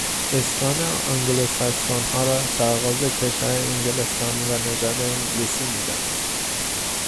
اسکان آنگلوساکسونها را سرآغاز کشور انگلستان و نژاد انگلیسی میدانند